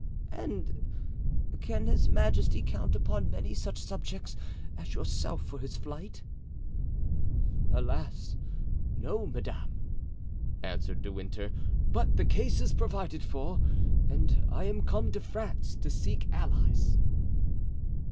"And can his majesty count upon many such subjects as yourself for his flight?" "Alas! no, madame," answered De Winter; "but the case is provided for and I am come to France to seek allies."